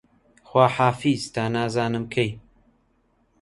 خواحافیز تا نازانم کەی